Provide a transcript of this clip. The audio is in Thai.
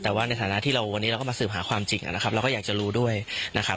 แต่ว่าในฐานะที่เราวันนี้เราก็มาสืบหาความจริงนะครับเราก็อยากจะรู้ด้วยนะครับ